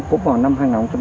cũng vào năm hai nghìn một